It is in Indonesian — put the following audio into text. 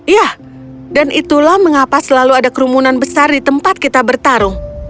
ya dan itulah mengapa selalu ada kerumunan besar di tempat kita bertarung